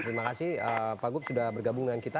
terima kasih pak gup sudah bergabung dengan kita